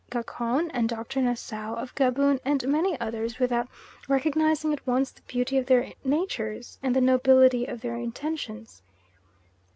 Gacon, and Dr. Nassau, of Gaboon, and many others without recognising at once the beauty of their natures, and the nobility of their intentions.